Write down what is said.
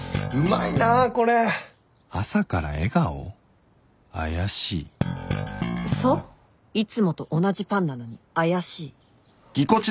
いつもと同じパンなのに怪しい